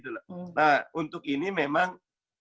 nah untuk ini memang